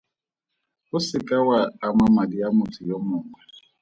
O se ka wa ama madi a motho yo mongwe.